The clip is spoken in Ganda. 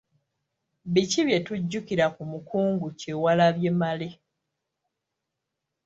Biki bye tujjukira ku Mukungu Kyewalabye Male?